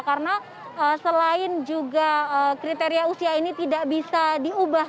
karena selain juga kriteria usia ini tidak bisa diubah